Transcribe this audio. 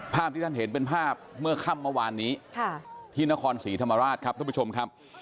ภาพที่ท่านเห็นเป็นภาพเมื่อค่ำเมื่อวานนี้ที่นครศรีธรรมราชครับท่านผู้ชมครับ